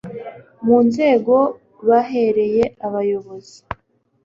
mu nzego bahereye abayobozi